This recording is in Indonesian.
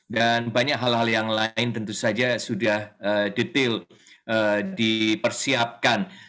dan banyak hal hal yang lain tentu saja sudah detail dipersiapkan